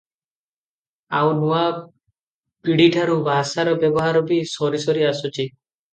ଆଉ ନୂଆ ପିଢ଼ିଠାରୁ ଭାଷାର ବ୍ୟବହାର ବି ସରିସରି ଆସୁଛି ।